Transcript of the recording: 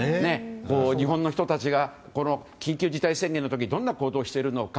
日本の人たちが緊急事態宣言の時どんな行動をしているのか。